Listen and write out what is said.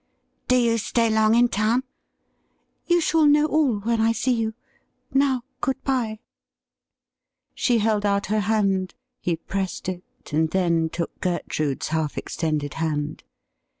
' Do you stay long in town ?' A LETTER AND A MEETING 185 ' You shall know all when I see you. Now good bye.'' She held out her hand; he pressed it, and then took Gertrude's half extended hand.